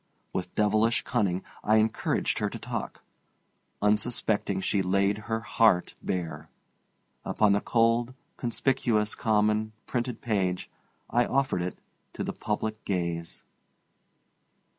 With devilish cunning I encouraged her to talk. Unsuspecting, she laid her heart bare. Upon the cold, conspicuous, common, printed page I offered it to the public gaze.